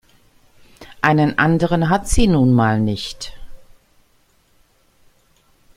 Einen anderen hat sie nun mal nicht.